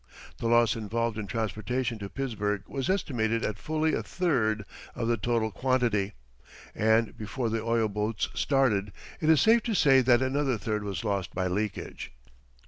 The loss involved in transportation to Pittsburgh was estimated at fully a third of the total quantity, and before the oil boats started it is safe to say that another third was lost by leakage.